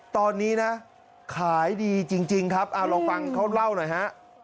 ตอนนี้นะขายดีจริงครับเอาลองฟังเขาเล่าหน่อยฮะ